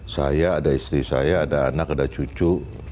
saya ada istri saya ada anak ada cucu